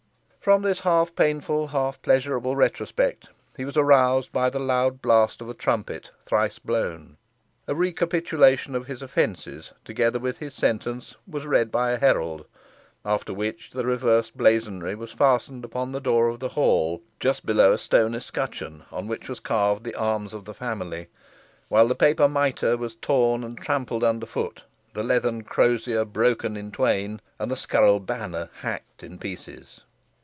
From this half painful, half pleasurable retrospect he was aroused by the loud blast of a trumpet, thrice blown. A recapitulation of his offences, together with his sentence, was read by a herald, after which the reversed blazonry was fastened upon the door of the hall, just below a stone escutcheon on which was carved the arms of the family; while the paper mitre was torn and trampled under foot, the lathen crosier broken in twain, and the scurril banner hacked in pieces.